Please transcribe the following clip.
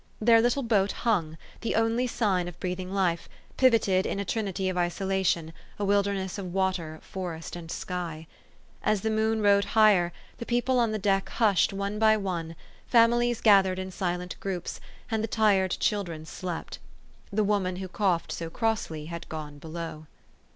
Their little boat hung, the only sign of breathing life, pivoted in a trinity of isolation, a wilderness of water, forest, and sky. As the moon rode higher, the people on the deck hushed one by one, families gathered in silent groups, and the tired children slept. The woman who coughed so crossly had gone below.